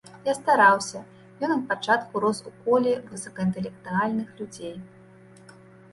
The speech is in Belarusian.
Я стараўся, ён ад пачатку рос ў коле высокаінтэлектуальных людзей.